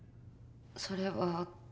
それは。